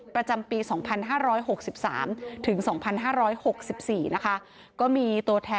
ประจำปี๒๕๖๓๒๕๖๔